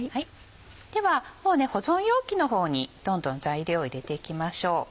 では保存容器の方にどんどん材料を入れていきましょう。